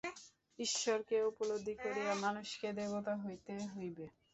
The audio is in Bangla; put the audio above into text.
ঈশ্বরকে উপলব্ধি করিয়া মানুষকে দেবতা হইতে হইবে।